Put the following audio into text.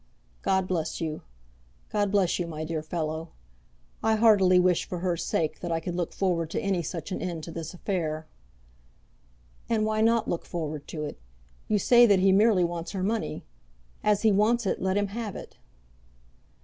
"God bless you; God bless you, my dear fellow. I heartily wish for her sake that I could look forward to any such an end to this affair." "And why not look forward to it? You say that he merely wants her money. As he wants it let him have it!"